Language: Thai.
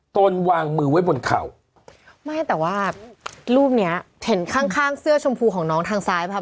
ตนวางมือไว้บนเข่าไม่แต่ว่ารูปเนี้ยเห็นข้างข้างเสื้อชมพูของน้องทางซ้ายครับ